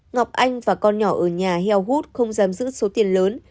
ngọc anh và con nhỏ ở nhà heo hút không giam giữ số tiền lớn